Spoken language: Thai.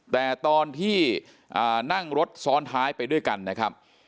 แต่ตอนที่นั่งรถซ้อนท้ายไปด้วยกันนะครับ